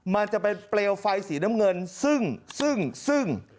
มันจะเป็นเปลวไฟสีน้ำเงินซึ่งซึ่ง